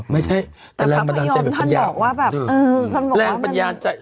ไม่ใช่แต่แรงบันดาลใจเป็นทันอย่างท่านบอกว่าแบบเออท่านบอกว่าแบบแรงบันยาใจ